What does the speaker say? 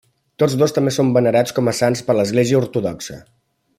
Tots dos també són venerats com a sants per l'Església Ortodoxa.